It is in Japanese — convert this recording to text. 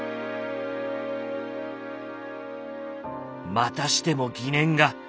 またしても疑念が。